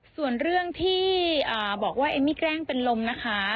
ส่วนเรื่องที่บอกว่าเอมมี่แกล้งเป็นลมนะคะ